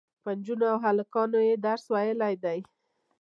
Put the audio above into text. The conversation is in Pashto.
په نجونو او هلکانو یې درس ویلی دی.